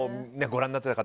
ご覧になってた方